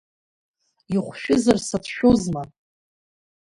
Ихәшәызар сацәшәозма!